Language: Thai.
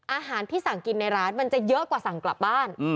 อาหารที่สั่งกินในร้านมันจะเยอะกว่าสั่งกลับบ้าน